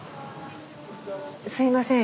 すいません。